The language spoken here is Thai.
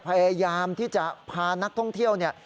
พยายามที่จะพานักท่องเที่ยวเนี่ย